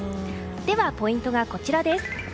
ではポイントがこちら。